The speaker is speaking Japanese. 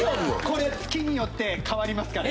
これ月によって変わりますから。